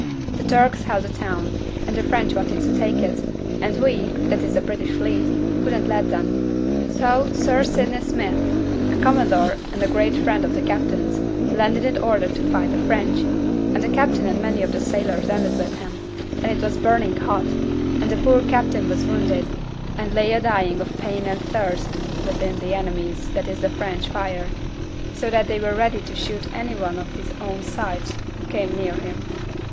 'The Turks held the town, and the French wanted to take it; and we, that is the British Fleet, wouldn't let them. So Sir Sidney Smith, a commodore and a great friend of the captain's, landed in order to fight the French; and the captain and many of the sailors landed with him; and it was burning hot; and the poor captain was wounded, and lay a dying of pain and thirst within the enemy's that is the French fire; so that they were ready to shoot any one of his own side who came near him.